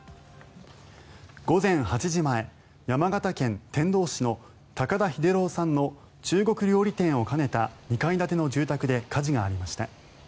午前８時前山形県天童市の高田秀郎さんの中国料理店を兼ねた２階建ての住宅で火事がありました。